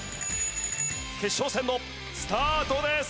決勝戦のスタートです！